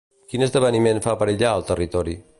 Quin esdeveniment fa perillar el territori?